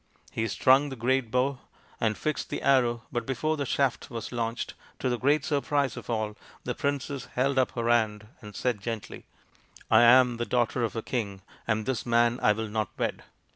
He strung the great bow and fixed the arrow, but before the shaft was launched, to the great surprise of all, the princess held up her hand, and said gently, " I am the daughter of a king, and this man I will not wed."